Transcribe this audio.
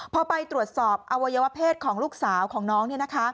พอไปตรวจสอบอวัยวะเพศของลูกสาวของน้อง